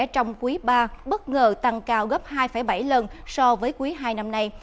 trong quý ba bất ngờ tăng cao gấp hai bảy lần so với quý hai năm nay